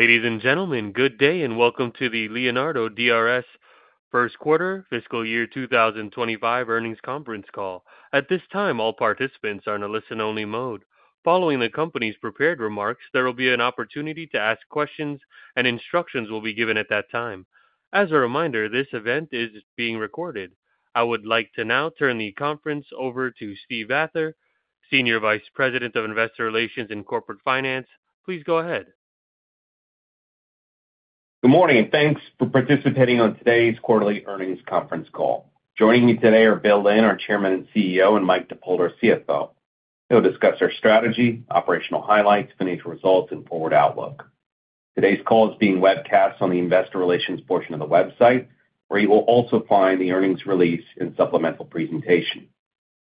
Ladies and gentlemen, good day and welcome to the Leonardo DRS First Quarter, Fiscal Year 2025, Earnings Conference call. At this time, all participants are in a listen-only mode. Following the company's prepared remarks, there will be an opportunity to ask questions, and instructions will be given at that time. As a reminder, this event is being recorded. I would like to now turn the conference over to Steve Vather, Senior Vice President of Investor Relations and Corporate Finance. Please go ahead. Good morning and thanks for participating on today's Quarterly Earnings Conference call. Joining me today are Bill Lynn, our Chairman and CEO, and Mike Dippold, our CFO. They'll discuss our strategy, operational highlights, financial results, and forward outlook. Today's call is being webcast on the Investor Relations portion of the website, where you will also find the earnings release and supplemental presentation.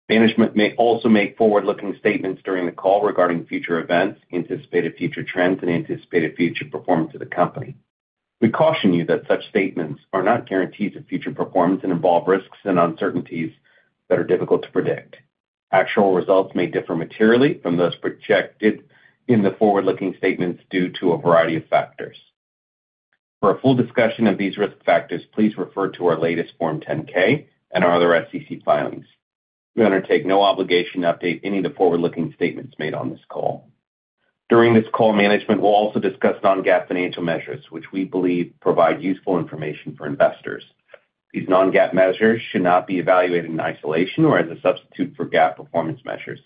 Management may also make forward-looking statements during the call regarding future events, anticipated future trends, and anticipated future performance of the company. We caution you that such statements are not guarantees of future performance and involve risks and uncertainties that are difficult to predict. Actual results may differ materially from those projected in the forward-looking statements due to a variety of factors. For a full discussion of these risk factors, please refer to our latest Form 10-K and our other SEC filings. We undertake no obligation to update any of the forward-looking statements made on this call. During this call, management will also discuss non-GAAP financial measures, which we believe provide useful information for investors. These non-GAAP measures should not be evaluated in isolation or as a substitute for GAAP performance measures.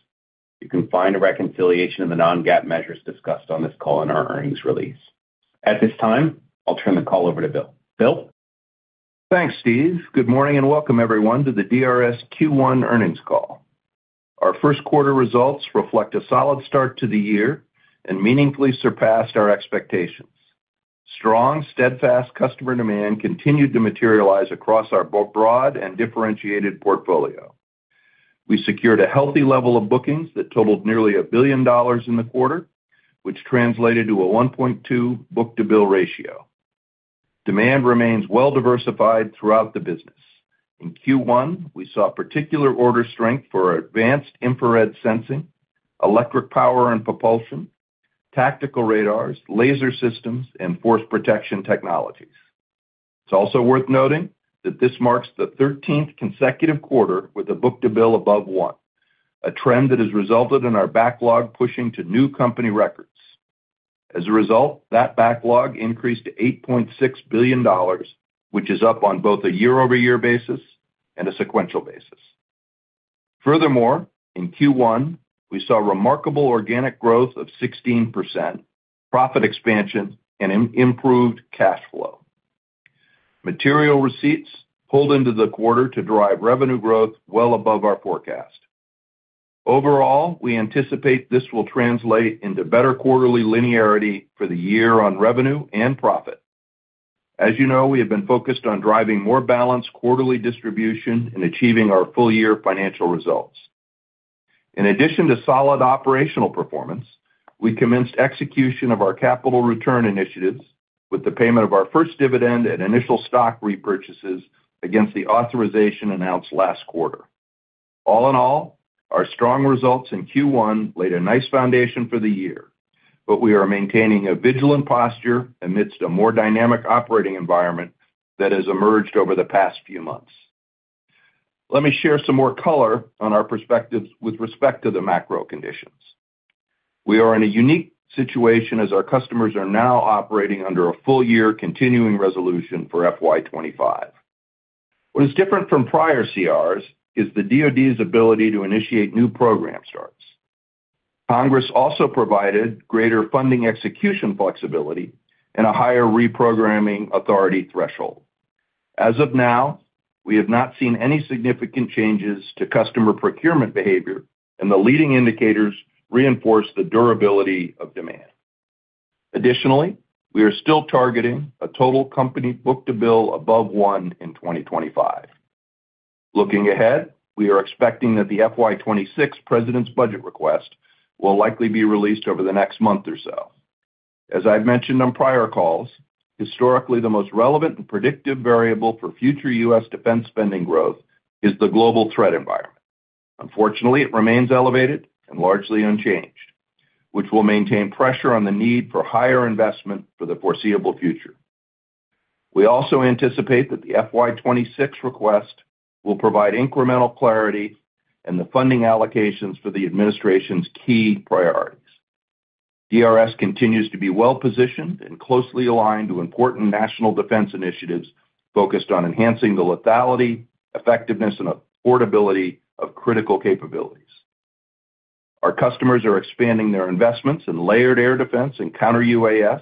You can find a reconciliation of the non-GAAP measures discussed on this call in our earnings release. At this time, I'll turn the call over to Bill. Bill? Thanks, Steve. Good morning and welcome, everyone, to the DRS Q1 earnings call. Our first quarter results reflect a solid start to the year and meaningfully surpassed our expectations. Strong, steadfast customer demand continued to materialize across our broad and differentiated portfolio. We secured a healthy level of bookings that totaled nearly a billion dollars in the quarter, which translated to a 1.2 book-to-bill ratio. Demand remains well-diversified throughout the business. In Q1, we saw particular order strength for advanced infrared sensing, electric power and propulsion, tactical radars, laser systems, and force protection technologies. It's also worth noting that this marks the 13th consecutive quarter with a book-to-bill above one, a trend that has resulted in our backlog pushing to new company records. As a result, that backlog increased to $8.6 billion, which is up on both a year-over-year basis and a sequential basis. Furthermore, in Q1, we saw remarkable organic growth of 16%, profit expansion, and improved cash flow. Material receipts pulled into the quarter to drive revenue growth well above our forecast. Overall, we anticipate this will translate into better quarterly linearity for the year on revenue and profit. As you know, we have been focused on driving more balanced quarterly distribution and achieving our full-year financial results. In addition to solid operational performance, we commenced execution of our capital return initiatives with the payment of our first dividend and initial stock repurchases against the authorization announced last quarter. All in all, our strong results in Q1 laid a nice foundation for the year, but we are maintaining a vigilant posture amidst a more dynamic operating environment that has emerged over the past few months. Let me share some more color on our perspectives with respect to the macro conditions. We are in a unique situation as our customers are now operating under a full-year continuing resolution for FY2025. What is different from prior CRs is the DOD's ability to initiate new program starts. Congress also provided greater funding execution flexibility and a higher reprogramming authority threshold. As of now, we have not seen any significant changes to customer procurement behavior, and the leading indicators reinforce the durability of demand. Additionally, we are still targeting a total company book-to-bill above one in 2025. Looking ahead, we are expecting that the FY2026 President's Budget request will likely be released over the next month or so. As I've mentioned on prior calls, historically, the most relevant and predictive variable for future U.S. defense spending growth is the global threat environment. Unfortunately, it remains elevated and largely unchanged, which will maintain pressure on the need for higher investment for the foreseeable future. We also anticipate that the FY2026 request will provide incremental clarity in the funding allocations for the administration's key priorities. DRS continues to be well-positioned and closely aligned to important national defense initiatives focused on enhancing the lethality, effectiveness, and affordability of critical capabilities. Our customers are expanding their investments in layered air defense and counter-UAS,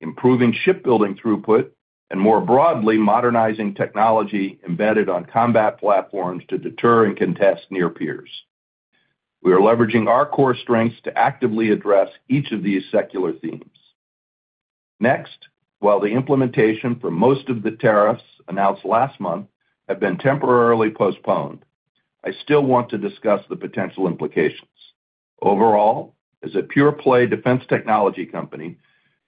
improving shipbuilding throughput, and more broadly, modernizing technology embedded on combat platforms to deter and contest near peers. We are leveraging our core strengths to actively address each of these secular themes. Next, while the implementation for most of the tariffs announced last month has been temporarily postponed, I still want to discuss the potential implications. Overall, as a pure-play defense technology company,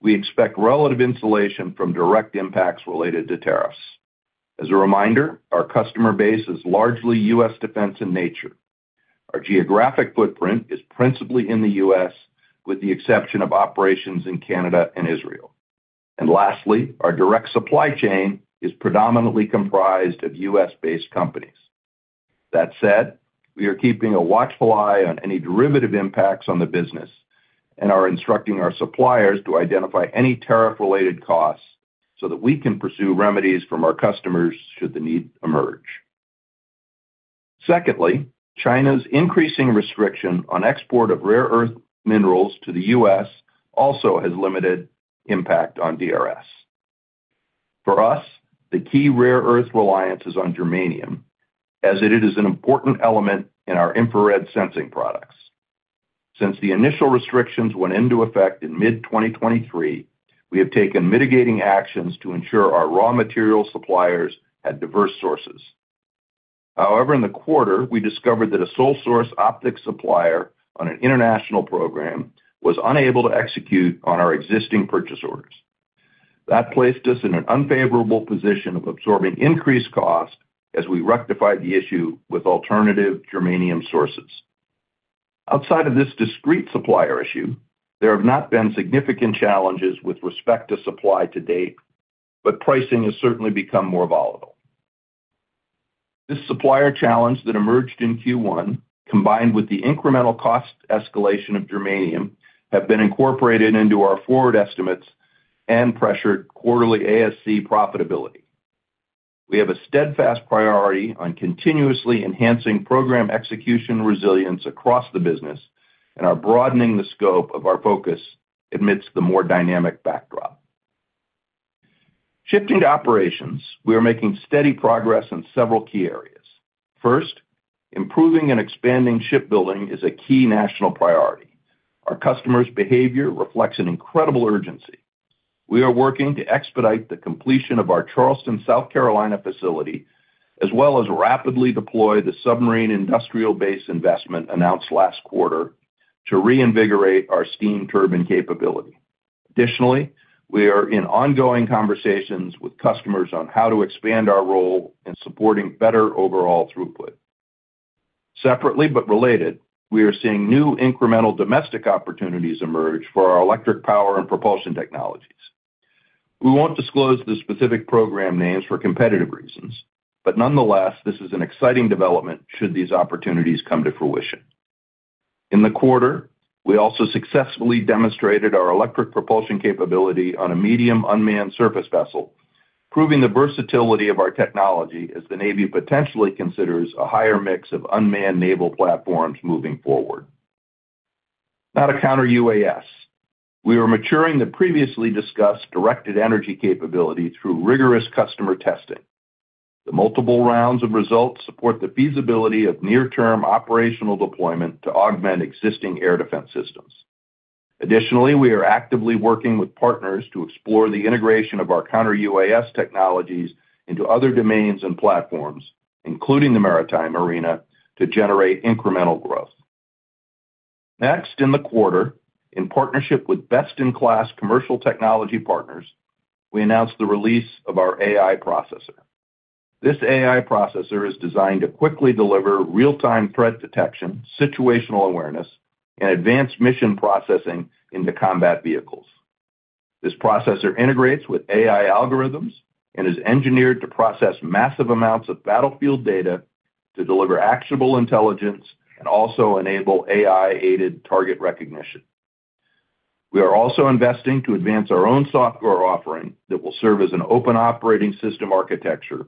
we expect relative insulation from direct impacts related to tariffs. As a reminder, our customer base is largely U.S. defense in nature. Our geographic footprint is principally in the U.S., with the exception of operations in Canada and Israel. Lastly, our direct supply chain is predominantly comprised of U.S.-based companies. That said, we are keeping a watchful eye on any derivative impacts on the business and are instructing our suppliers to identify any tariff-related costs so that we can pursue remedies from our customers should the need emerge. Secondly, China's increasing restriction on export of rare earth minerals to the U.S. also has limited impact on DRS. For us, the key rare earth reliance is on germanium, as it is an important element in our infrared sensing products. Since the initial restrictions went into effect in mid-2023, we have taken mitigating actions to ensure our raw material suppliers had diverse sources. However, in the quarter, we discovered that a sole-source optics supplier on an international program was unable to execute on our existing purchase orders. That placed us in an unfavorable position of absorbing increased costs as we rectified the issue with alternative germanium sources. Outside of this discrete supplier issue, there have not been significant challenges with respect to supply to date, but pricing has certainly become more volatile. This supplier challenge that emerged in Q1, combined with the incremental cost escalation of germanium, has been incorporated into our forward estimates and pressured quarterly ASC profitability. We have a steadfast priority on continuously enhancing program execution resilience across the business and are broadening the scope of our focus amidst the more dynamic backdrop. Shifting to operations, we are making steady progress in several key areas. First, improving and expanding shipbuilding is a key national priority. Our customers' behavior reflects an incredible urgency. We are working to expedite the completion of our Charleston, South Carolina, facility, as well as rapidly deploy the submarine industrial base investment announced last quarter to reinvigorate our steam turbine capability. Additionally, we are in ongoing conversations with customers on how to expand our role in supporting better overall throughput. Separately but related, we are seeing new incremental domestic opportunities emerge for our electric power and propulsion technologies. We won't disclose the specific program names for competitive reasons, but nonetheless, this is an exciting development should these opportunities come to fruition. In the quarter, we also successfully demonstrated our electric propulsion capability on a medium unmanned surface vessel, proving the versatility of our technology as the Navy potentially considers a higher mix of unmanned naval platforms moving forward. Now to counter-UAS. We are maturing the previously discussed directed energy capability through rigorous customer testing. The multiple rounds of results support the feasibility of near-term operational deployment to augment existing air defense systems. Additionally, we are actively working with partners to explore the integration of our counter-UAS technologies into other domains and platforms, including the maritime arena, to generate incremental growth. Next, in the quarter, in partnership with best-in-class commercial technology partners, we announced the release of our AI processor. This AI processor is designed to quickly deliver real-time threat detection, situational awareness, and advanced mission processing into combat vehicles. This processor integrates with AI algorithms and is engineered to process massive amounts of battlefield data to deliver actionable intelligence and also enable AI-aided target recognition. We are also investing to advance our own software offering that will serve as an open operating system architecture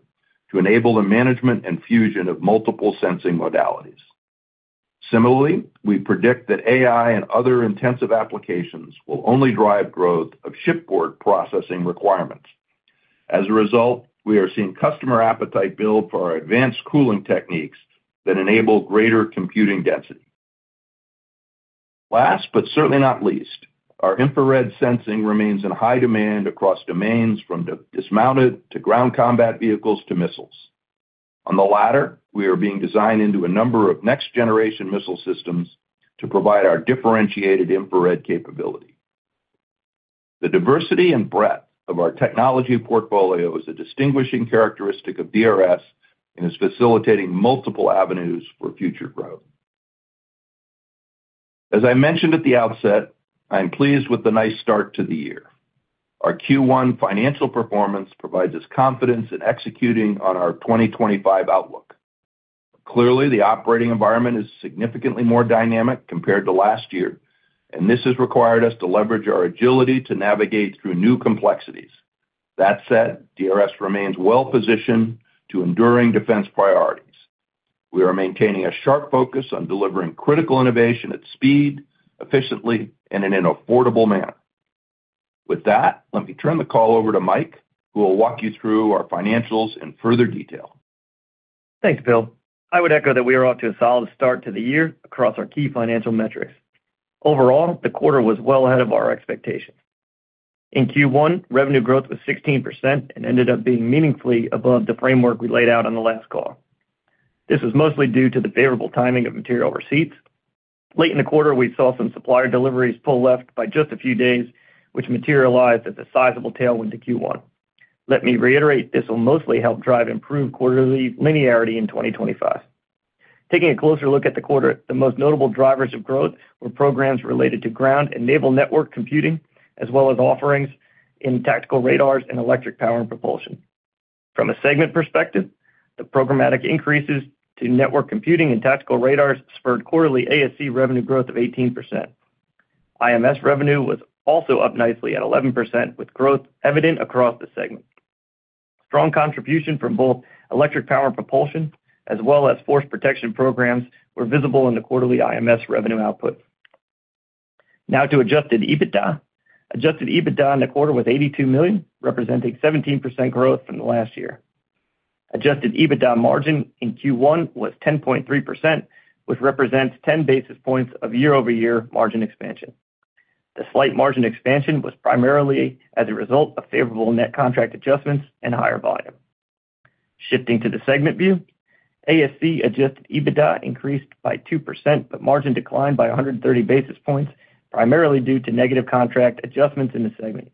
to enable the management and fusion of multiple sensing modalities. Similarly, we predict that AI and other intensive applications will only drive growth of shipboard processing requirements. As a result, we are seeing customer appetite build for our advanced cooling techniques that enable greater computing density. Last but certainly not least, our infrared sensing remains in high demand across domains, from dismounted to ground combat vehicles to missiles. On the latter, we are being designed into a number of next-generation missile systems to provide our differentiated infrared capability. The diversity and breadth of our technology portfolio is a distinguishing characteristic of DRS and is facilitating multiple avenues for future growth. As I mentioned at the outset, I'm pleased with the nice start to the year. Our Q1 financial performance provides us confidence in executing on our 2025 outlook. Clearly, the operating environment is significantly more dynamic compared to last year, and this has required us to leverage our agility to navigate through new complexities. That said, DRS remains well-positioned to enduring defense priorities. We are maintaining a sharp focus on delivering critical innovation at speed, efficiently, and in an affordable manner. With that, let me turn the call over to Mike, who will walk you through our financials in further detail. Thanks, Bill. I would echo that we are off to a solid start to the year across our key financial metrics. Overall, the quarter was well ahead of our expectations. In Q1, revenue growth was 16% and ended up being meaningfully above the framework we laid out on the last call. This was mostly due to the favorable timing of material receipts. Late in the quarter, we saw some supplier deliveries pull left by just a few days, which materialized as a sizable tailwind to Q1. Let me reiterate, this will mostly help drive improved quarterly linearity in 2025. Taking a closer look at the quarter, the most notable drivers of growth were programs related to ground and naval network computing, as well as offerings in tactical radars and electric power and propulsion. From a segment perspective, the programmatic increases to network computing and tactical radars spurred quarterly ASC revenue growth of 18%. IMS revenue was also up nicely at 11%, with growth evident across the segment. Strong contribution from both electric power and propulsion, as well as force protection programs, were visible in the quarterly IMS revenue output. Now to adjusted EBITDA. Adjusted EBITDA in the quarter was $82 million, representing 17% growth from the last year. Adjusted EBITDA margin in Q1 was 10.3%, which represents 10 basis points of year-over-year margin expansion. The slight margin expansion was primarily as a result of favorable net contract adjustments and higher volume. Shifting to the segment view, ASC adjusted EBITDA increased by 2%, but margin declined by 130 basis points, primarily due to negative contract adjustments in the segment.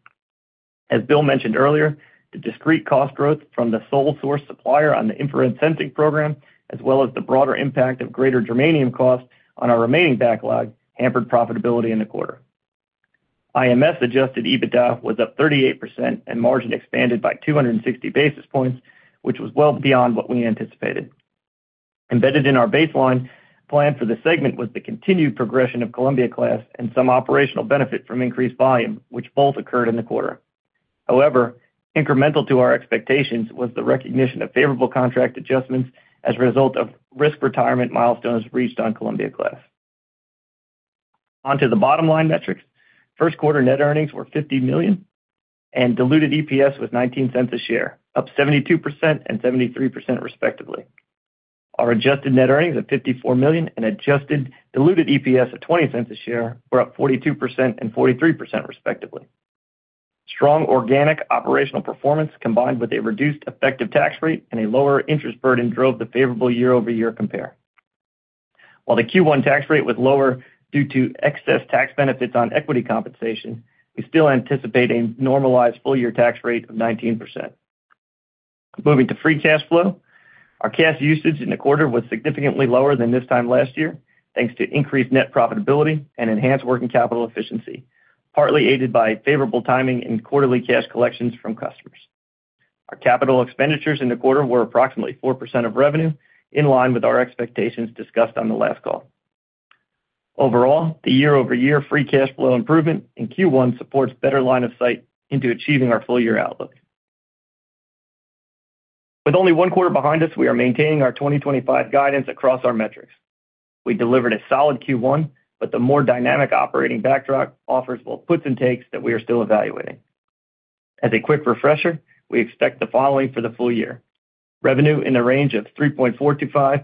As Bill mentioned earlier, the discreet cost growth from the sole-source supplier on the infrared sensing program, as well as the broader impact of greater germanium costs on our remaining backlog, hampered profitability in the quarter. IMS adjusted EBITDA was up 38%, and margin expanded by 260 basis points, which was well beyond what we anticipated. Embedded in our baseline plan for the segment was the continued progression of Columbia Class and some operational benefit from increased volume, which both occurred in the quarter. However, incremental to our expectations was the recognition of favorable contract adjustments as a result of risk retirement milestones reached on Columbia Class. Onto the bottom-line metrics. First quarter net earnings were $50 million, and diluted EPS was $0.19 a share, up 72% and 73% respectively. Our adjusted net earnings of $54 million and adjusted diluted EPS of $0.20 a share were up 42% and 43% respectively. Strong organic operational performance combined with a reduced effective tax rate and a lower interest burden drove the favorable year-over-year compare. While the Q1 tax rate was lower due to excess tax benefits on equity compensation, we still anticipate a normalized full-year tax rate of 19%. Moving to free cash flow, our cash usage in the quarter was significantly lower than this time last year, thanks to increased net profitability and enhanced working capital efficiency, partly aided by favorable timing and quarterly cash collections from customers. Our capital expenditures in the quarter were approximately 4% of revenue, in line with our expectations discussed on the last call. Overall, the year-over-year free cash flow improvement in Q1 supports better line of sight into achieving our full-year outlook. With only one quarter behind us, we are maintaining our 2025 guidance across our metrics. We delivered a solid Q1, but the more dynamic operating backdrop offers both puts and takes that we are still evaluating. As a quick refresher, we expect the following for the full year: revenue in the range of $3.425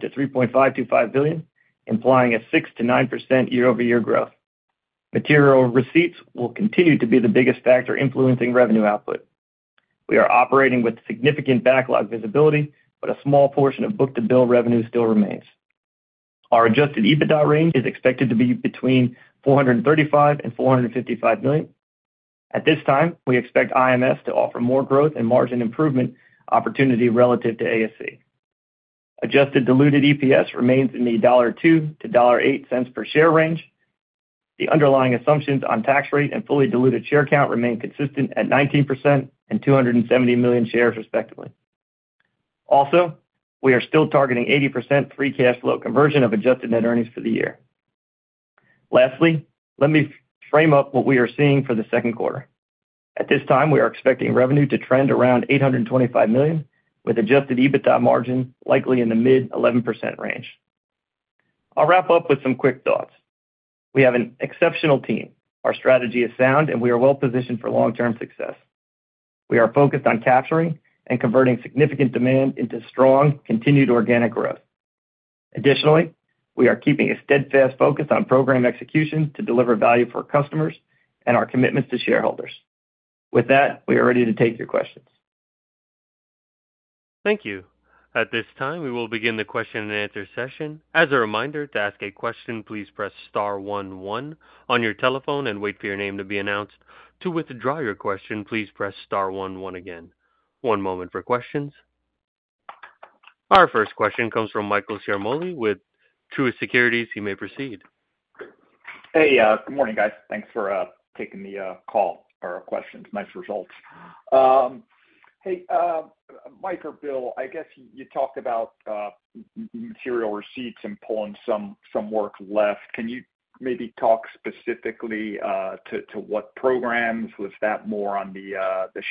billion-$3.525 billion, implying a 6%-9% year-over-year growth. Material receipts will continue to be the biggest factor influencing revenue output. We are operating with significant backlog visibility, but a small portion of book-to-bill revenue still remains. Our adjusted EBITDA range is expected to be between $435 million-$455 million. At this time, we expect IMS to offer more growth and margin improvement opportunity relative to ASC. Adjusted diluted EPS remains in the $1.02-$1.08 per share range. The underlying assumptions on tax rate and fully diluted share count remain consistent at 19% and 270 million shares respectively. Also, we are still targeting 80% free cash flow conversion of adjusted net earnings for the year. Lastly, let me frame up what we are seeing for the second quarter. At this time, we are expecting revenue to trend around $825 million, with adjusted EBITDA margin likely in the mid-11% range. I'll wrap up with some quick thoughts. We have an exceptional team. Our strategy is sound, and we are well-positioned for long-term success. We are focused on capturing and converting significant demand into strong, continued organic growth. Additionally, we are keeping a steadfast focus on program execution to deliver value for customers and our commitments to shareholders. With that, we are ready to take your questions. Thank you. At this time, we will begin the question-and-answer session. As a reminder, to ask a question, please press star one one on your telephone and wait for your name to be announced. To withdraw your question, please press star one one again. One moment for questions. Our first question comes from Michael Ciarmoli with Truist Securities. You may proceed. Hey, good morning, guys. Thanks for taking the call. Our questions, nice results. Hey, Mike or Bill, I guess you talked about material receipts and pulling some work left. Can you maybe talk specifically to what programs? Was that more on the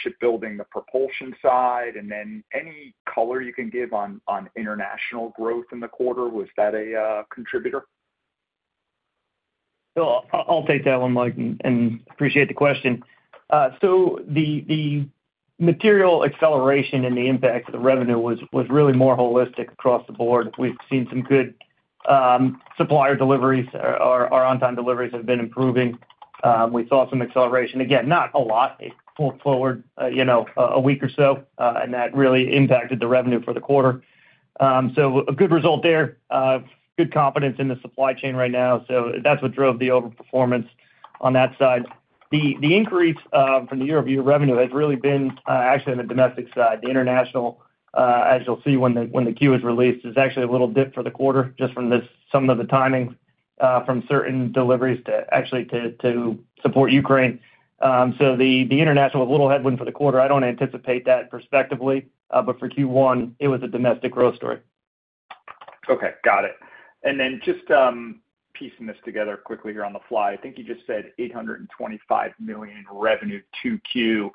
shipbuilding, the propulsion side, and then any color you can give on international growth in the quarter? Was that a contributor? I'll take that one, Mike, and appreciate the question. The material acceleration and the impact of the revenue was really more holistic across the board. We've seen some good supplier deliveries. Our on-time deliveries have been improving. We saw some acceleration. Again, not a lot. It pulled forward a week or so, and that really impacted the revenue for the quarter. A good result there, good confidence in the supply chain right now. That's what drove the overperformance on that side. The increase from the year-over-year revenue has really been actually on the domestic side. The international, as you'll see when the Q is released, is actually a little dip for the quarter just from some of the timing from certain deliveries to actually to support Ukraine. The international was a little headwind for the quarter. I don't anticipate that perspectively, but for Q1, it was a domestic growth story. Okay, got it. Just piecing this together quickly here on the fly, I think you just said $825 million revenue to Q.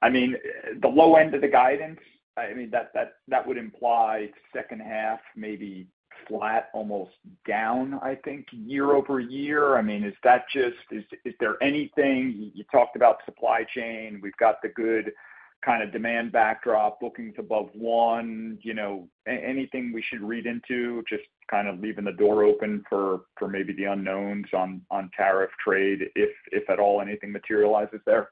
I mean, the low end of the guidance, that would imply second half maybe flat, almost down, I think, year-over-year. I mean, is that just, is there anything, you talked about supply chain? We've got the good kind of demand backdrop looking to above one. Anything we should read into, just kind of leaving the door open for maybe the unknowns on tariff trade, if at all, anything materializes there?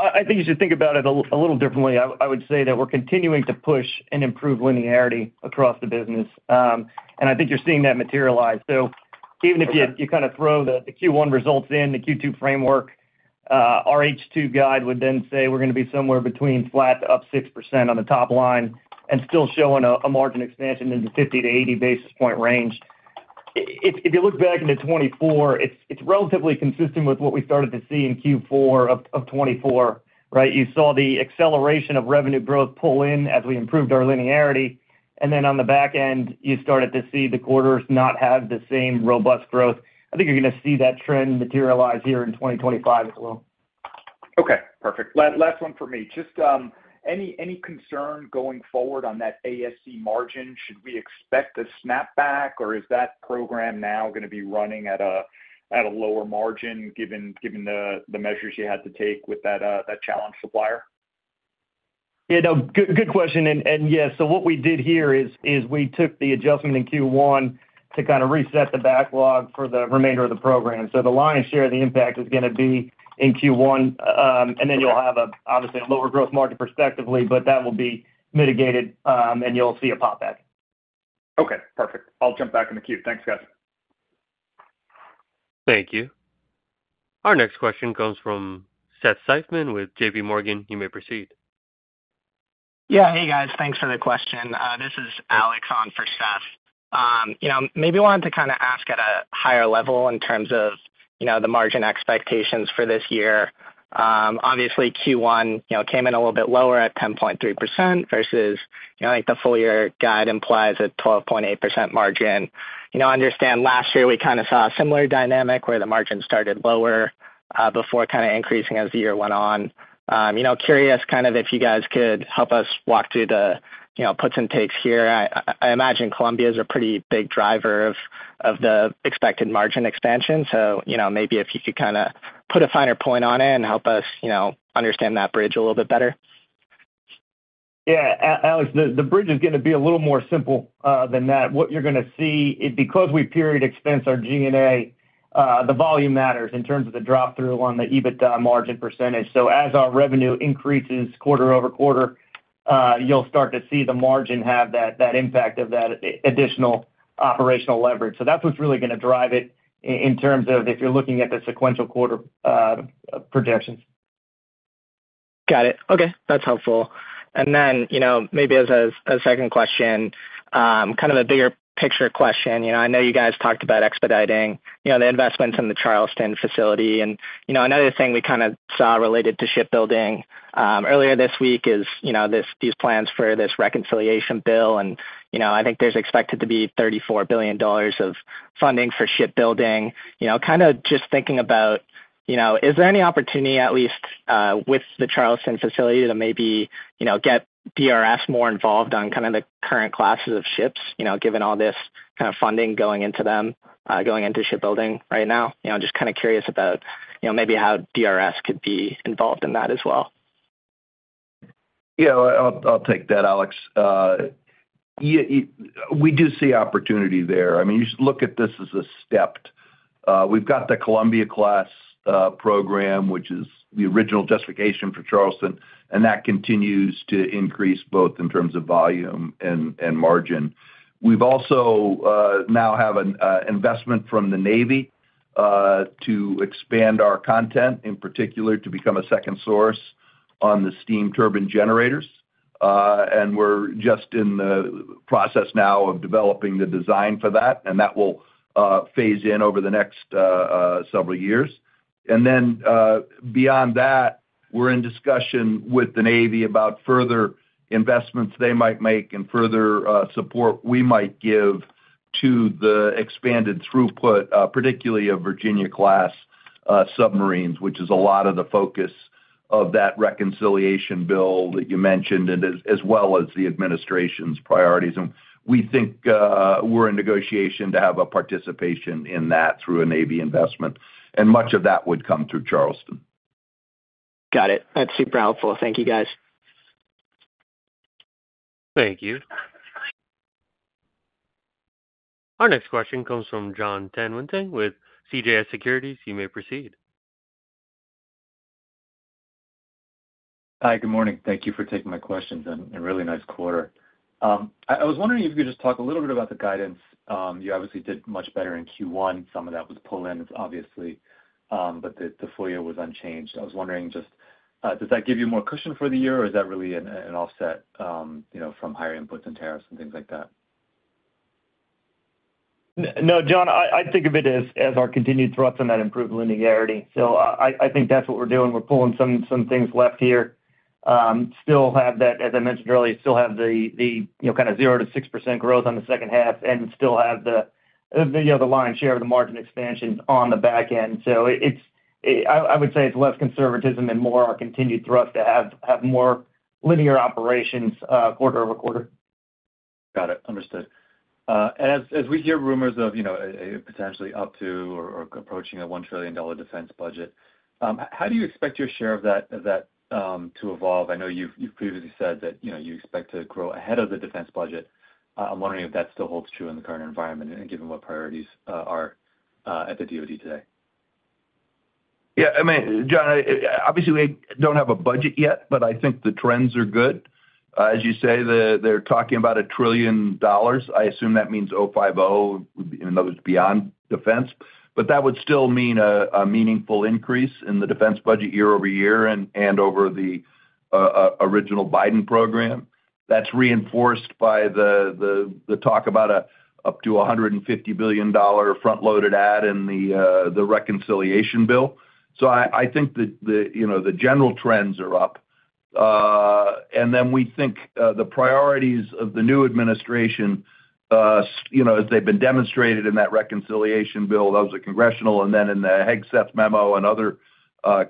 I think you should think about it a little differently. I would say that we're continuing to push and improve linearity across the business, and I think you're seeing that materialize. Even if you kind of throw the Q1 results in the Q2 framework, our H2 guide would then say we're going to be somewhere between flat to up 6% on the top line and still showing a margin expansion in the 50 to 80 basis point range. If you look back into 2024, it's relatively consistent with what we started to see in Q4 of 2024, right? You saw the acceleration of revenue growth pull in as we improved our linearity. On the back end, you started to see the quarters not have the same robust growth. I think you're going to see that trend materialize here in 2025 as well. Okay, perfect. Last one for me. Just any concern going forward on that ASC margin? Should we expect a snapback, or is that program now going to be running at a lower margin given the measures you had to take with that challenge supplier? Yeah, no, good question. Yeah, what we did here is we took the adjustment in Q1 to kind of reset the backlog for the remainder of the program. The lion's share, the impact is going to be in Q1, and then you'll have obviously a lower gross margin perspectively, but that will be mitigated, and you'll see a popback. Okay, perfect. I'll jump back in the queue. Thanks, guys. Thank you. Our next question comes from Seth Seifman with J.P. Morgan. You may proceed. Yeah, hey, guys. Thanks for the question. This is Alex on for Seth. Maybe I wanted to kind of ask at a higher level in terms of the margin expectations for this year. Obviously, Q1 came in a little bit lower at 10.3% versus the full-year guide implies a 12.8% margin. I understand last year we kind of saw a similar dynamic where the margin started lower before kind of increasing as the year went on. Curious kind of if you guys could help us walk through the puts and takes here. I imagine Columbia is a pretty big driver of the expected margin expansion. Maybe if you could kind of put a finer point on it and help us understand that bridge a little bit better. Yeah, Alex, the bridge is going to be a little more simple than that. What you're going to see, because we period expense our G&A, the volume matters in terms of the drop-through on the EBITDA margin percentage. As our revenue increases quarter-over-quarter, you'll start to see the margin have that impact of that additional operational leverage. That is what's really going to drive it in terms of if you're looking at the sequential quarter projections. Got it. Okay, that's helpful. Maybe as a second question, kind of a bigger picture question. I know you guys talked about expediting the investments in the Charleston facility. Another thing we kind of saw related to shipbuilding earlier this week is these plans for this reconciliation bill. I think there's expected to be $34 billion of funding for shipbuilding. Kind of just thinking about, is there any opportunity, at least with the Charleston facility, to maybe get DRS more involved on kind of the current classes of ships, given all this kind of funding going into them, going into shipbuilding right now? Just kind of curious about maybe how DRS could be involved in that as well. Yeah, I'll take that, Alex. We do see opportunity there. I mean, you should look at this as a step. We've got the Columbia Class program, which is the original justification for Charleston, and that continues to increase both in terms of volume and margin. We also now have an investment from the Navy to expand our content, in particular to become a second source on the steam turbine generators. We're just in the process now of developing the design for that, and that will phase in over the next several years. Beyond that, we're in discussion with the Navy about further investments they might make and further support we might give to the expanded throughput, particularly of Virginia Class submarines, which is a lot of the focus of that reconciliation bill that you mentioned, as well as the administration's priorities. We think we're in negotiation to have a participation in that through a Navy investment. Much of that would come through Charleston. Got it. That's super helpful. Thank you, guys. Thank you. Our next question comes from Jon Tanwanteng with CJS Securities. You may proceed. Hi, good morning. Thank you for taking my questions. A really nice quarter. I was wondering if you could just talk a little bit about the guidance. You obviously did much better in Q1. Some of that was pulled in, obviously, but the full year was unchanged. I was wondering, does that give you more cushion for the year, or is that really an offset from higher inputs and tariffs and things like that? No, Jon, I think of it as our continued thrust on that improved linearity. I think that's what we're doing. We're pulling some things left here. Still have that, as I mentioned earlier, still have the kind of 0%-6% growth on the second half and still have the lion's share of the margin expansion on the back end. I would say it's less conservatism and more our continued thrust to have more linear operations quarter-over-quarter. Got it. Understood. As we hear rumors of potentially up to or approaching a $1 trillion defense budget, how do you expect your share of that to evolve? I know you've previously said that you expect to grow ahead of the defense budget. I'm wondering if that still holds true in the current environment and given what priorities are at the DOD today. Yeah, I mean, Jon, obviously, we don't have a budget yet, but I think the trends are good. As you say, they're talking about a trillion dollars. I assume that means 050, in other words, beyond defense. That would still mean a meaningful increase in the defense budget year-over-year and over the original Biden program. That's reinforced by the talk about an up to $150 billion front-loaded add in the reconciliation bill. I think the general trends are up. We think the priorities of the new administration, as they've been demonstrated in that reconciliation bill, that was a congressional, and then in the Hegseth Memo and other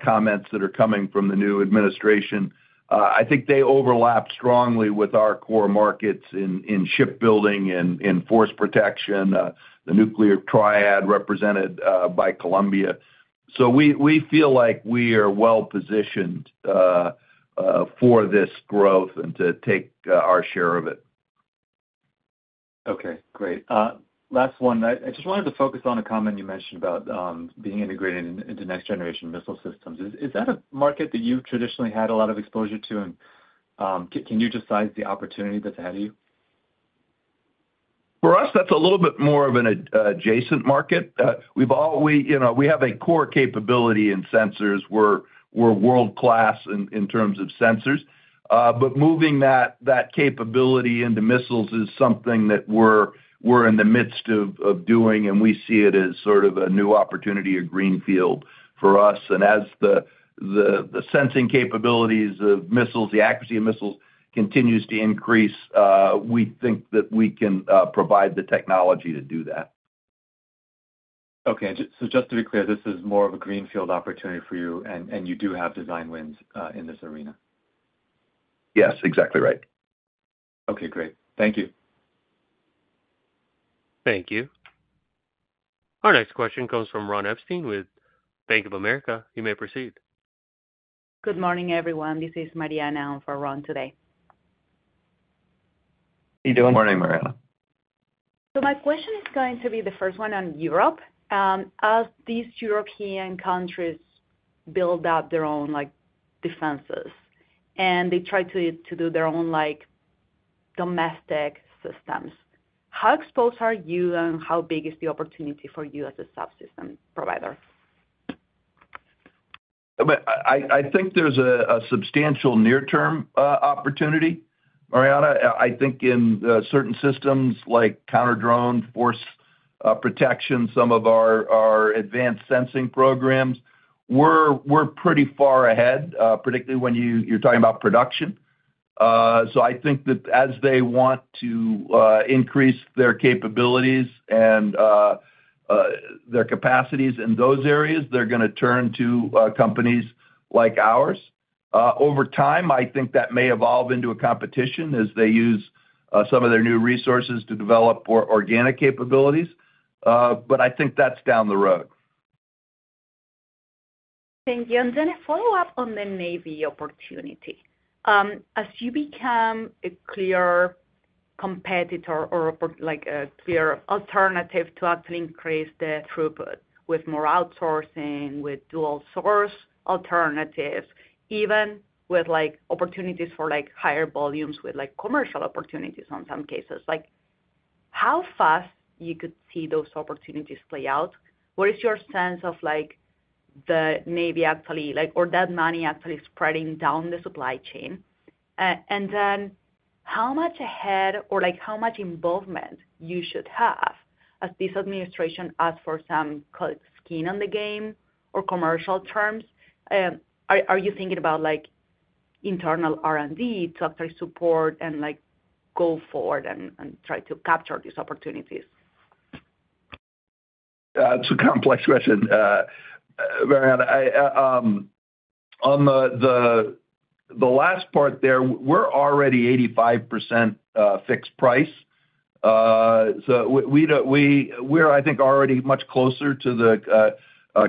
comments that are coming from the new administration, I think they overlap strongly with our core markets in shipbuilding and force protection, the nuclear triad represented by Columbia. We feel like we are well-positioned for this growth and to take our share of it. Okay, great. Last one. I just wanted to focus on a comment you mentioned about being integrated into next-generation missile systems. Is that a market that you've traditionally had a lot of exposure to? Can you just size the opportunity that's ahead of you? For us, that's a little bit more of an adjacent market. We have a core capability in sensors. We're world-class in terms of sensors. Moving that capability into missiles is something that we're in the midst of doing, and we see it as sort of a new opportunity, a greenfield for us. As the sensing capabilities of missiles, the accuracy of missiles continues to increase, we think that we can provide the technology to do that. Okay. Just to be clear, this is more of a greenfield opportunity for you, and you do have design wins in this arena. Yes, exactly right. Okay, great. Thank you. Thank you. Our next question comes from Ron Epstein with Bank of America. You may proceed. Good morning, everyone. This is [Marianne Allen] for Ron today. How are you doing? Good morning, Marianne. My question is going to be the first one on Europe. As these European countries build up their own defenses and they try to do their own domestic systems, how exposed are you and how big is the opportunity for you as a subsystem provider? I think there's a substantial near-term opportunity, Marianne. I think in certain systems like counter-drone force protection, some of our advanced sensing programs, we're pretty far ahead, particularly when you're talking about production. I think that as they want to increase their capabilities and their capacities in those areas, they're going to turn to companies like ours. Over time, I think that may evolve into a competition as they use some of their new resources to develop organic capabilities. I think that's down the road. Thank you. A follow-up on the Navy opportunity. As you become a clear competitor or a clear alternative to actually increase the throughput with more outsourcing, with dual-source alternatives, even with opportunities for higher volumes with commercial opportunities in some cases, how fast you could see those opportunities play out? What is your sense of the Navy actually or that money actually spreading down the supply chain? How much ahead or how much involvement you should have as this administration asks for some skin in the game or commercial terms? Are you thinking about internal R&D to actually support and go forward and try to capture these opportunities? That's a complex question. Marianne, on the last part there, we're already 85% fixed price. We're, I think, already much closer to the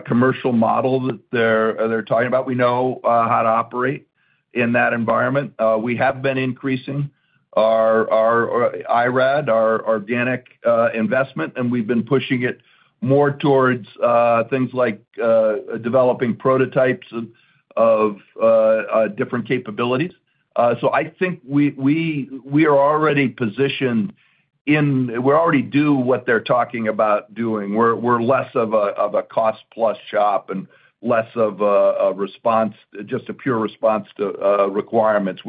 commercial model that they're talking about. We know how to operate in that environment. We have been increasing our IR&D, our organic investment, and we've been pushing it more towards things like developing prototypes of different capabilities. I think we are already positioned in, we're already doing what they're talking about doing. We're less of a cost-plus shop and less of a response, just a pure response to requirements.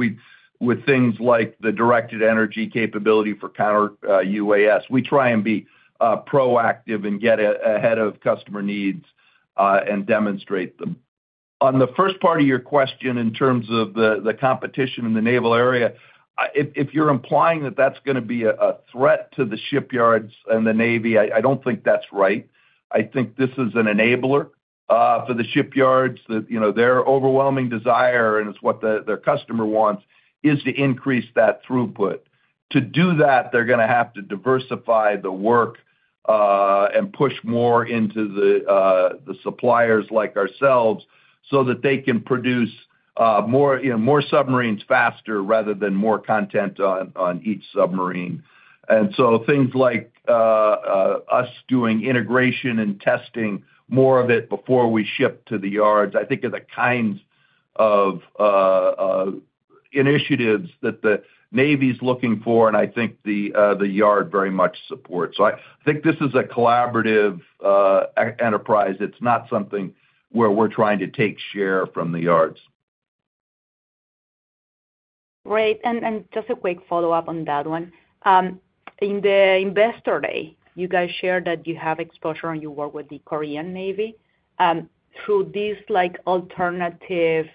With things like the directed energy capability for counter-UAS, we try and be proactive and get ahead of customer needs and demonstrate them. On the first part of your question in terms of the competition in the naval area, if you're implying that that's going to be a threat to the shipyards and the Navy, I don't think that's right. I think this is an enabler for the shipyards. Their overwhelming desire, and it's what their customer wants, is to increase that throughput. To do that, they're going to have to diversify the work and push more into the suppliers like ourselves so that they can produce more submarines faster rather than more content on each submarine. Things like us doing integration and testing more of it before we ship to the yards, I think are the kinds of initiatives that the Navy is looking for, and I think the yard very much supports. I think this is a collaborative enterprise. It's not something where we're trying to take share from the yards. Great. Just a quick follow-up on that one. In the investor day, you guys shared that you have exposure and you work with the Korean Navy. Through these alternative,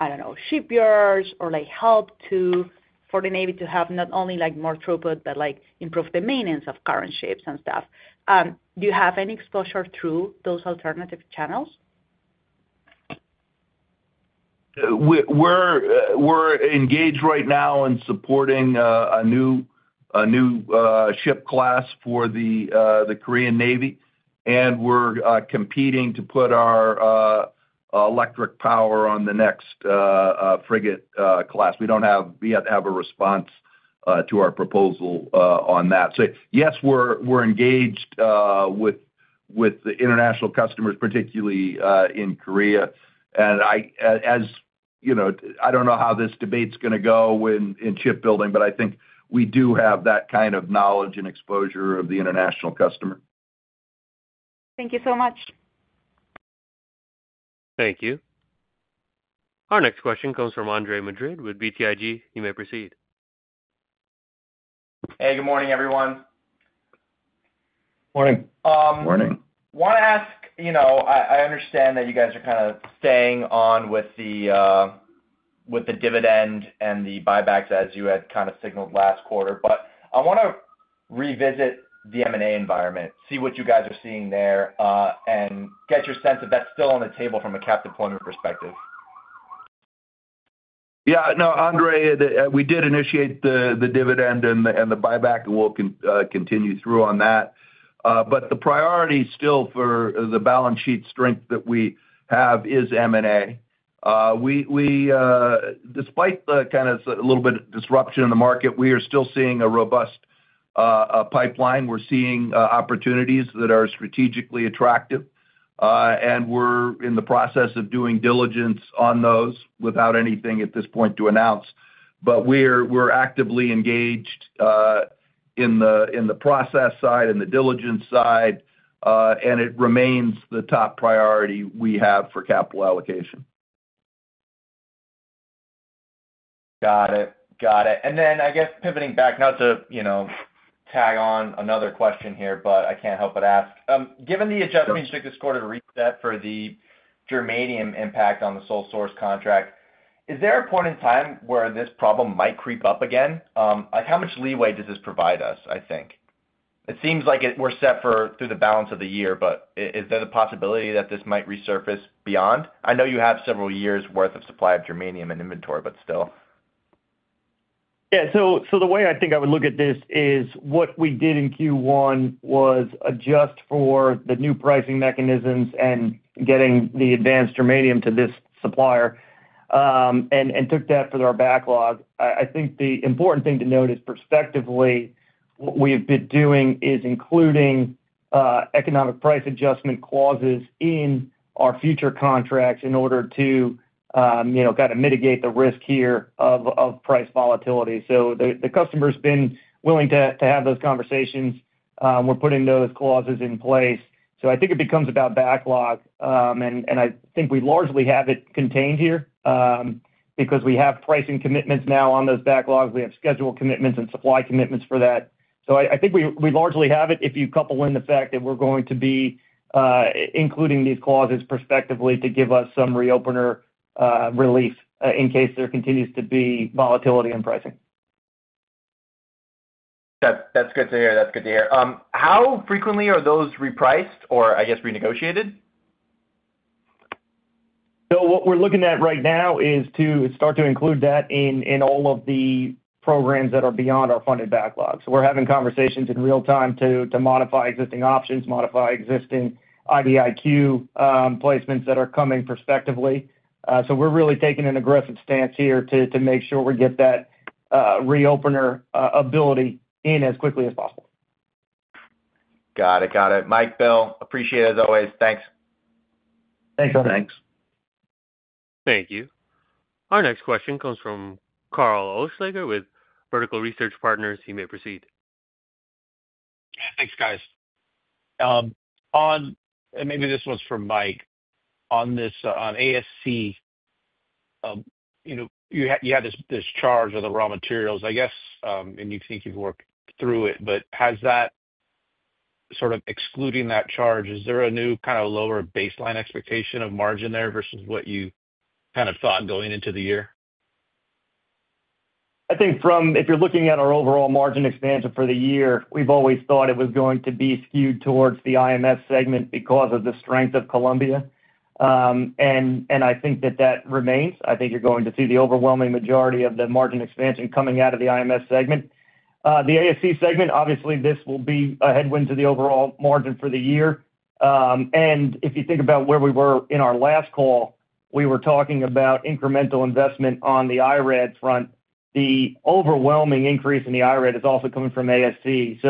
I don't know, shipyards or help too for the Navy to have not only more throughput but improve the maintenance of current ships and stuff, do you have any exposure through those alternative channels? We're engaged right now in supporting a new ship class for the Korean Navy, and we're competing to put our electric power on the next frigate class. We don't have yet to have a response to our proposal on that. Yes, we're engaged with the international customers, particularly in Korea. I don't know how this debate's going to go in shipbuilding, but I think we do have that kind of knowledge and exposure of the international customer. Thank you so much. Thank you. Our next question comes from Andre Madrid with BTIG. You may proceed. Hey, good morning, everyone. Morning. Morning. I want to ask, I understand that you guys are kind of staying on with the dividend and the buybacks as you had kind of signaled last quarter, but I want to revisit the M&A environment, see what you guys are seeing there, and get your sense if that's still on the table from a cap deployment perspective. Yeah. No, Andre, we did initiate the dividend and the buyback, and we'll continue through on that. The priority still for the balance sheet strength that we have is M&A. Despite the kind of a little bit of disruption in the market, we are still seeing a robust pipeline. We're seeing opportunities that are strategically attractive, and we're in the process of doing diligence on those without anything at this point to announce. We're actively engaged in the process side and the diligence side, and it remains the top priority we have for capital allocation. Got it. Got it. I guess pivoting back now to tag on another question here, but I can't help but ask, given the adjustment you took this quarter to reset for the germanium impact on the sole source contract, is there a point in time where this problem might creep up again? How much leeway does this provide us, I think? It seems like we're set for through the balance of the year, but is there the possibility that this might resurface beyond? I know you have several years' worth of supply of germanium in inventory, but still. Yeah. The way I think I would look at this is what we did in Q1 was adjust for the new pricing mechanisms and getting the advanced germanium to this supplier and took that for our backlog. I think the important thing to note is perspectively, what we have been doing is including economic price adjustment clauses in our future contracts in order to kind of mitigate the risk here of price volatility. The customer has been willing to have those conversations. We're putting those clauses in place. I think it becomes about backlog, and I think we largely have it contained here because we have pricing commitments now on those backlogs. We have schedule commitments and supply commitments for that. I think we largely have it if you couple in the fact that we're going to be including these clauses prospectively to give us some reopener relief in case there continues to be volatility in pricing. That's good to hear. That's good to hear. How frequently are those repriced or, I guess, renegotiated? What we're looking at right now is to start to include that in all of the programs that are beyond our funded backlog. We're having conversations in real time to modify existing options, modify existing IBIQ placements that are coming perspectively. We're really taking an aggressive stance here to make sure we get that reopener ability in as quickly as possible. Got it. Got it. Mike Dippold, appreciate it as always. Thanks. Thanks, guys. Thanks. Thank you. Our next question comes from Karl Oehlschlaeger with Vertical Research Partners. You may proceed. Thanks, guys. Maybe this one's for Mike. On ASC, you had this charge of the raw materials, I guess, and you think you've worked through it, but has that, sort of excluding that charge, is there a new kind of lower baseline expectation of margin there versus what you kind of thought going into the year? I think if you're looking at our overall margin expansion for the year, we've always thought it was going to be skewed towards the IMS segment because of the strength of Columbia. I think that that remains. I think you're going to see the overwhelming majority of the margin expansion coming out of the IMS segment. The ASC segment, obviously, this will be a headwind to the overall margin for the year. If you think about where we were in our last call, we were talking about incremental investment on the IRAD front. The overwhelming increase in the IRAD is also coming from ASC.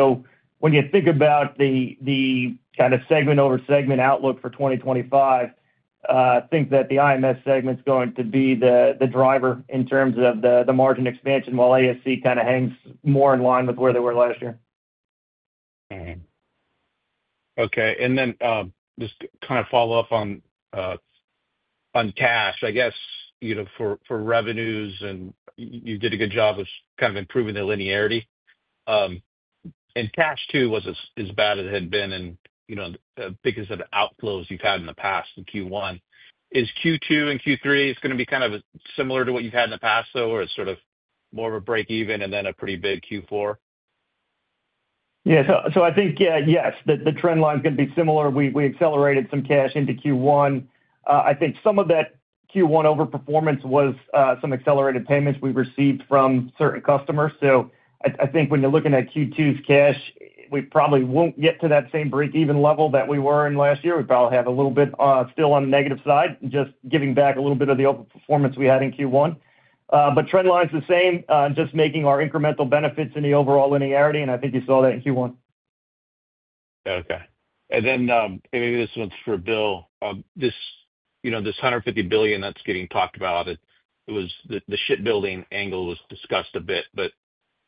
When you think about the kind of segment-over-segment outlook for 2025, I think that the IMS segment's going to be the driver in terms of the margin expansion while ASC kind of hangs more in line with where they were last year. Okay. And then just kind of follow up on cash, I guess, for revenues, and you did a good job of kind of improving the linearity. And cash too was as bad as it had been because of the outflows you've had in the past in Q1. Is Q2 and Q3 going to be kind of similar to what you've had in the past, though, or it's sort of more of a break-even and then a pretty big Q4? Yeah. I think, yes, the trend line's going to be similar. We accelerated some cash into Q1. I think some of that Q1 overperformance was some accelerated payments we received from certain customers. I think when you're looking at Q2's cash, we probably won't get to that same break-even level that we were in last year. We probably have a little bit still on the negative side, just giving back a little bit of the overperformance we had in Q1. Trend line's the same, just making our incremental benefits in the overall linearity, and I think you saw that in Q1. Okay. And then maybe this one's for Bill. This $150 billion that's getting talked about, the shipbuilding angle was discussed a bit, but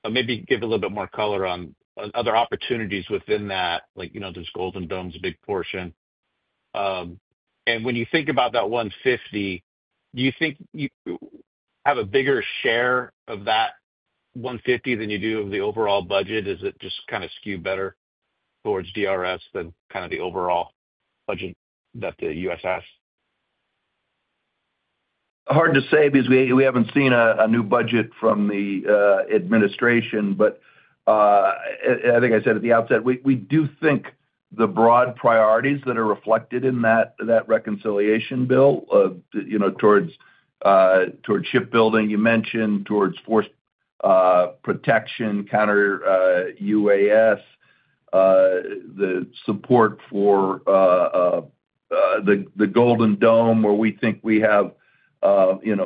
maybe give a little bit more color on other opportunities within that, like this Golden Dome's a big portion. When you think about that $150 billion, do you think you have a bigger share of that $150 billion than you do of the overall budget? Is it just kind of skewed better towards DRS than kind of the overall budget that the U.S. has? Hard to say because we haven't seen a new budget from the administration, but I think I said at the outset, we do think the broad priorities that are reflected in that reconciliation bill towards shipbuilding you mentioned, towards force protection, counter-UAS, the support for the Golden Dome where we think we have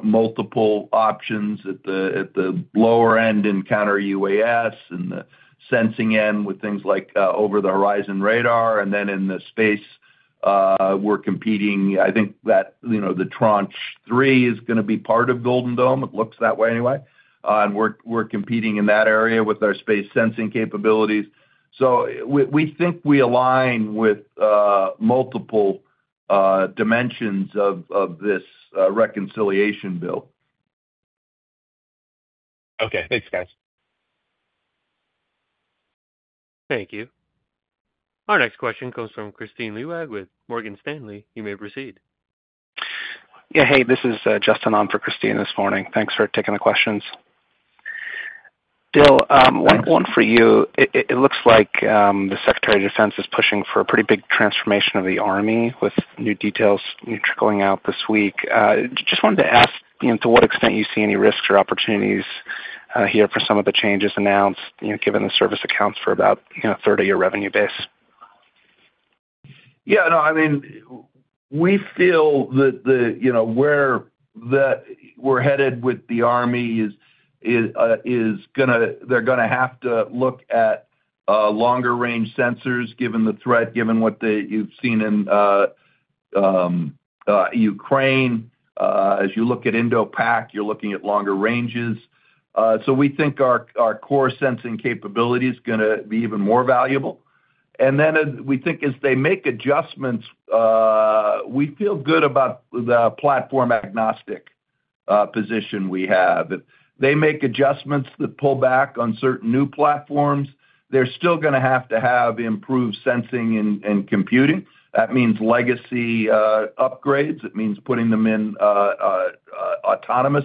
multiple options at the lower end in counter-UAS and the sensing end with things like over-the-horizon radar. In the space, we're competing. I think that the Tranche 3 is going to be part of Golden Dome. It looks that way anyway. We're competing in that area with our space sensing capabilities. We think we align with multiple dimensions of this reconciliation bill. Okay. Thanks, guys. Thank you. Our next question comes from Kristine Liwag with Morgan Stanley. You may proceed. Yeah. Hey, this is Justin on for Kristine this morning. Thanks for taking the questions. Bill, one for you. It looks like the Secretary of Defense is pushing for a pretty big transformation of the army with new details trickling out this week. Just wanted to ask to what extent you see any risks or opportunities here for some of the changes announced, given the service accounts for about a third of your revenue base. Yeah. No, I mean, we feel that where we're headed with the army is going to, they're going to have to look at longer-range sensors given the threat, given what you've seen in Ukraine. As you look at Indo-Pac, you're looking at longer ranges. We think our core sensing capability is going to be even more valuable. We think as they make adjustments, we feel good about the platform-agnostic position we have. If they make adjustments that pull back on certain new platforms, they're still going to have to have improved sensing and computing. That means legacy upgrades. It means putting them in autonomous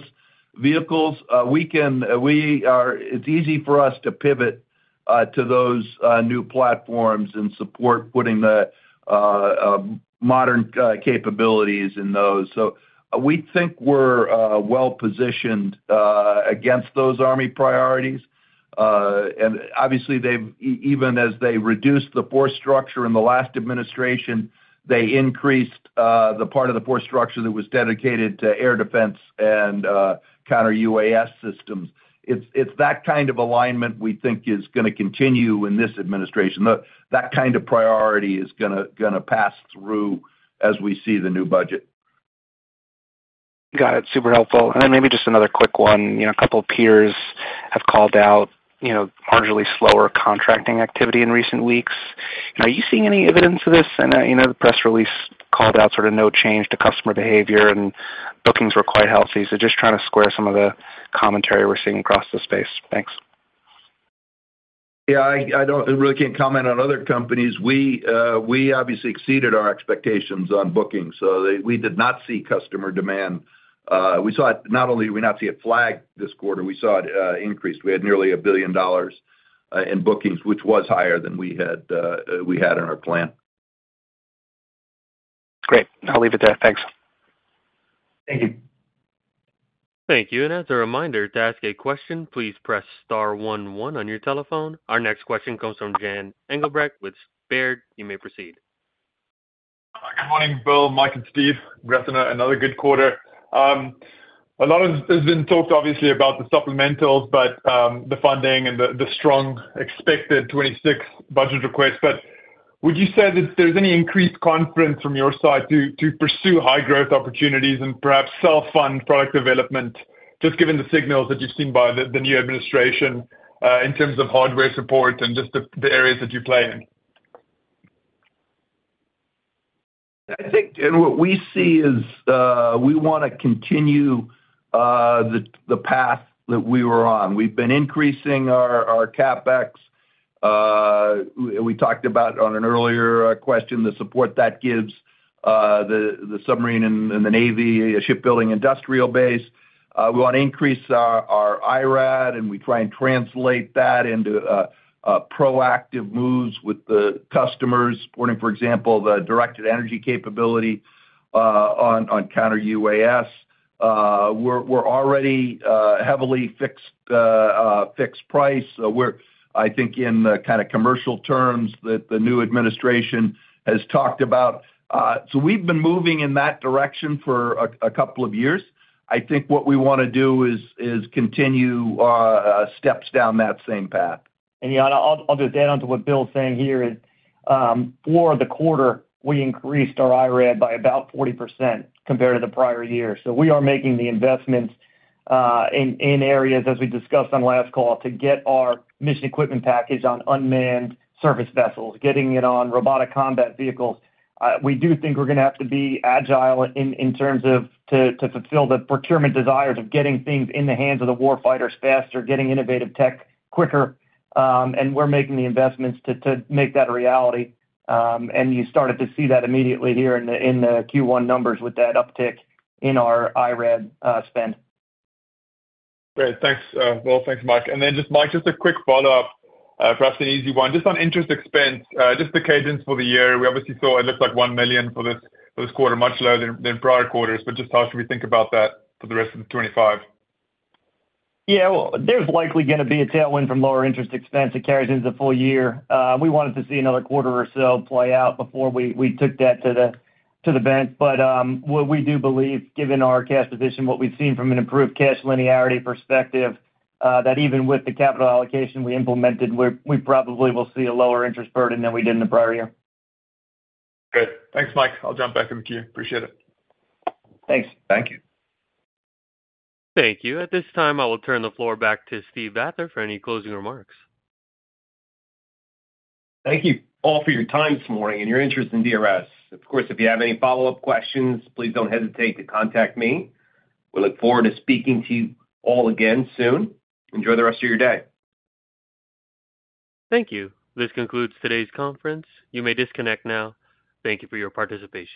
vehicles. It's easy for us to pivot to those new platforms and support putting the modern capabilities in those. We think we're well-positioned against those army priorities. Obviously, even as they reduced the force structure in the last administration, they increased the part of the force structure that was dedicated to air defense and counter-UAS systems. It's that kind of alignment we think is going to continue in this administration. That kind of priority is going to pass through as we see the new budget. Got it. Super helpful. Maybe just another quick one. A couple of peers have called out marginally slower contracting activity in recent weeks. Are you seeing any evidence of this? The press release called out sort of no change to customer behavior, and bookings were quite healthy. Just trying to square some of the commentary we're seeing across the space. Thanks. Yeah. I really can't comment on other companies. We obviously exceeded our expectations on bookings. We did not see customer demand. We saw it not only did we not see it flagged this quarter, we saw it increased. We had nearly $1 billion in bookings, which was higher than we had in our plan. Great. I'll leave it there. Thanks. Thank you. Thank you. As a reminder, to ask a question, please press star one one on your telephone. Our next question comes from Jan Engelbrecht with Baird. You may proceed. Good morning, Bill, Mike, and Steve. Congrats on another good quarter. A lot has been talked, obviously, about the supplementals, the funding, and the strong expected 2026 budget requests. Would you say that there's any increased confidence from your side to pursue high-growth opportunities and perhaps self-fund product development, just given the signals that you've seen by the new administration in terms of hardware support and just the areas that you play in? I think what we see is we want to continue the path that we were on. We've been increasing our CapEx. We talked about on an earlier question the support that gives the submarine and the Navy, a shipbuilding industrial base. We want to increase our IRAD, and we try and translate that into proactive moves with the customers, supporting, for example, the directed energy capability on counter-UAS. We're already heavily fixed price. We're, I think, in the kind of commercial terms that the new administration has talked about. We've been moving in that direction for a couple of years. I think what we want to do is continue steps down that same path. I'll just add on to what Bill's saying here is for the quarter, we increased our IRAD by about 40% compared to the prior year. We are making the investments in areas, as we discussed on last call, to get our mission equipment package on unmanned surface vessels, getting it on robotic combat vehicles. We do think we're going to have to be agile in terms of to fulfill the procurement desires of getting things in the hands of the war fighters faster, getting innovative tech quicker. We're making the investments to make that a reality. You started to see that immediately here in the Q1 numbers with that uptick in our IRAD spend. Great. Thanks, Thanks, Mike. Mike, just a quick follow-up, perhaps an easy one. Just on interest expense, just the cadence for the year, we obviously saw it looks like $1 million for this quarter, much lower than prior quarters. Just how should we think about that for the rest of 2025? Yeah. There is likely going to be a tailwind from lower interest expense that carries into the full year. We wanted to see another quarter or so play out before we took that to the bench. We do believe, given our cash position, what we've seen from an improved cash linearity perspective, that even with the capital allocation we implemented, we probably will see a lower interest burden than we did in the prior year. Good. Thanks, Mike. I'll jump back in with you. Appreciate it. Thanks. Thank you. Thank you. At this time, I will turn the floor back to Steve Vather for any closing remarks. Thank you all for your time this morning and your interest in DRS. Of course, if you have any follow-up questions, please do not hesitate to contact me. We look forward to speaking to you all again soon. Enjoy the rest of your day. Thank you. This concludes today's conference. You may disconnect now. Thank you for your participation.